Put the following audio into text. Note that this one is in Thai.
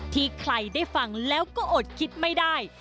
ที่ใครได้ฟังแล้วก็อดคิดไม่ได้